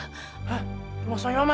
hah rumah suami mama